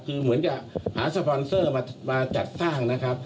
คือเหมือนกับหาสปอนเซอร์มาจัดสร้างนะครับ